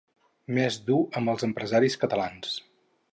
Més dur amb els empresaris catalans.